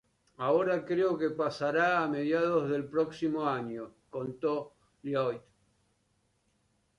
Ahora creo que pasará a mediados del próximo año" contó Lloyd.